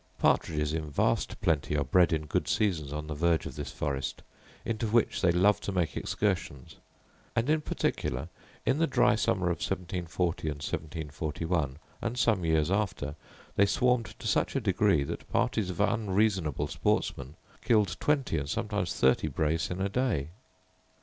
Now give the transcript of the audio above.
Partridges in vast plenty are bred in good seasons on the verge of this forest, into which they love to make excursions: and in particular, in the dry summer of 1740 and 1741, and some years after, they swarmed to such a degree, that parties of unreasonable sportsmen killed twenty and sometimes thirty brace in a day.